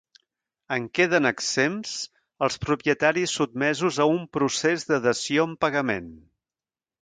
En queden exempts els propietaris sotmesos a un procés de dació en pagament.